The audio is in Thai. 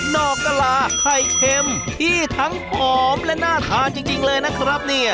อกกะลาไข่เค็มที่ทั้งหอมและน่าทานจริงเลยนะครับเนี่ย